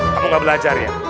kamu gak belajar ya